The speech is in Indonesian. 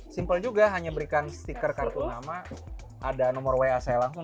simple juga hanya berikan stiker kartu nama ada nomor wa saya langsung